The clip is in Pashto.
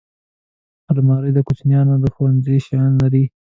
الماري د کوچنیانو د ښوونځي شیان لري